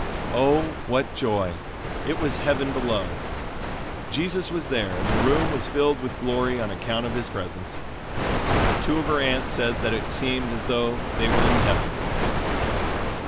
Oh, what joy! it was heaven below. Jesus was there and the room was filled with glory on account of of His presence. Two of her aunts said that it seemed as though they were in heaven.